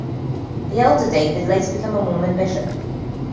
The elder David later became a Mormon bishop.